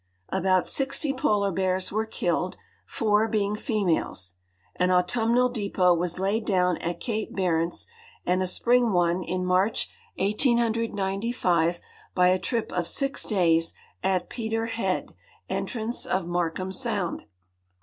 About sixty polar bears were killed, four being females. An autumnal depot was laid down at cape Barents and a spring one, in March, 1895, by a trip of six days, at Peter head, entrance of iNIarkham sound.